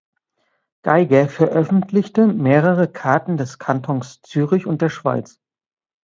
Gyger veröffentlichte mehrere Karten des Kantons Zürich und der Schweiz.